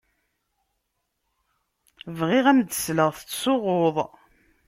Bɣiɣ ad m-d-sleɣ tettsuɣuḍ.